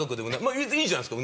別にいいじゃないですか。